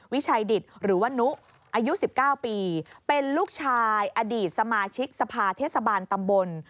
วิชัยดิตหรือว่านุอายุ๑๙ปีเป็นลูกชายอดีตสมาชิกสภาเทศบาลตำบล